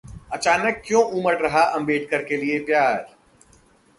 अचानक क्यों उमड़ रहा अंबेडकर के लिए प्यार?